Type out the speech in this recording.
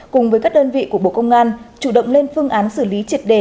cùng với các đơn vị của bộ công an chủ động lên phương án xử lý triệt đề